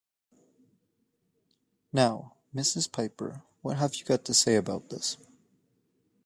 Now, Mrs. Piper, what have you got to say about this?